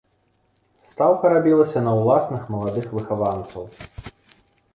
Стаўка рабілася на ўласных маладых выхаванцаў.